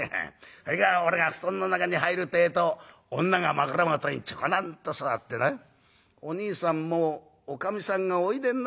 「それから俺が布団の中に入るてえと女が枕元にちょこなんと座ってな『おにいさんもうおかみさんがおいでになるんでしょうね？』